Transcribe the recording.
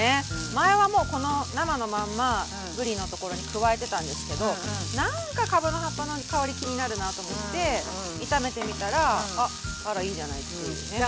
前はもうこの生のまんまぶりのところに加えてたんですけどなんかかぶの葉っぱの香り気になるなと思って炒めてみたらあっあらいいんじゃないっていうね。